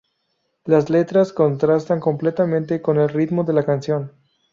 Las letras contrastan completamente con el ritmo de la canción.